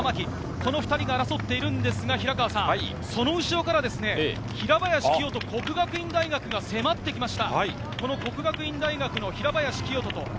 この２人が争っているんですが、その後ろから平林清澄・國學院大學が迫ってきました。